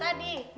gak liat kan